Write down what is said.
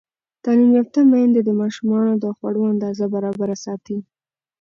تعلیم یافته میندې د ماشومانو د خوړو اندازه برابره ساتي.